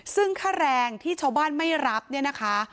ซึ่งค่าแรงที่ชาวบ้านไม่รับเนี่ยนะคะ